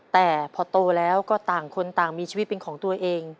แต่พอโตแล้วก็ต่างคนต่างมีชีวิตเป็นของตัวเอง